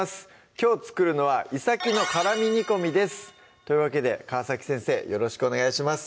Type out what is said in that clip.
きょう作るのは「イサキの辛み煮込み」ですというわけで川先生よろしくお願いします